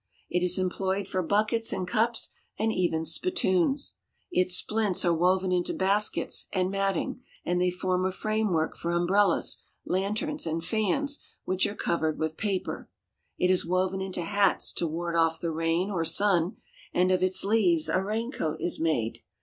It is employed for buckets and cups, and even spit toons. Its splints are woven into baskets and matting, and they form a framework for umbrellas, lanterns, and fans which are covered with paper. It is woven into hats to ward off the rain or sun, and of its leaves a raincoat is made.